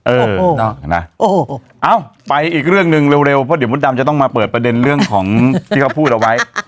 เอ้าไปอีกเรื่องหนึ่งเร็วเพราะเดี๋ยวมดดำจะต้องมาเปิดประเด็นเรื่องของที่เขาพูดเอาไว้